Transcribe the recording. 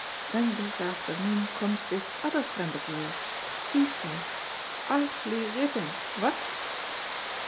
Then this afternoon comes this other friend of yours. He says, 'Arfly rippin' what.'"